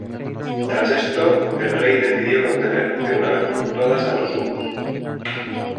Tras esto el rey decidió contener de una vez por todas a los hunos.